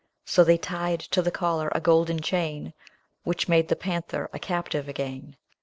So they tied to the collar a golden chain, Which made the panther a captive again.